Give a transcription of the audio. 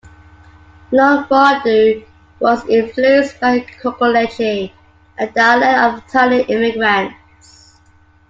Lunfardo was influenced by Cocoliche, a dialect of Italian immigrants.